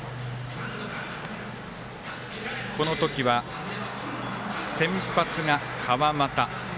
この時は先発が川又。